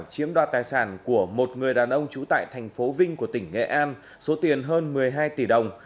chiếm đoạt tài sản của một người đàn ông trú tại thành phố vinh của tỉnh nghệ an số tiền hơn một mươi hai tỷ đồng